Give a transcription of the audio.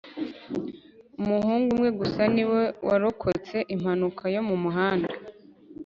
umuhungu umwe gusa ni we warokotse impanuka yo mu muhanda